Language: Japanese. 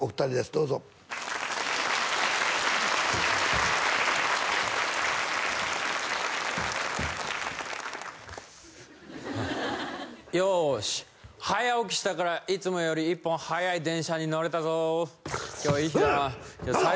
どうぞよし早起きしたからいつもより１本早い電車に乗れたぞ今日いい日だなフン！